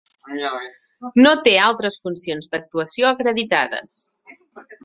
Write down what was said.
No té altres funcions d"actuació acreditades.